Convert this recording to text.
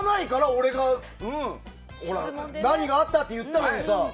俺が何があった？って言ったのにさ。